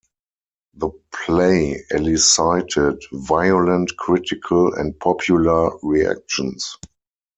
The play elicited violent critical and popular reactions.